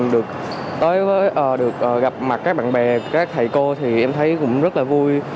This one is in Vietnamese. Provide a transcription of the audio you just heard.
được gặp mặt các bạn bè các thầy cô thì em thấy cũng rất là vui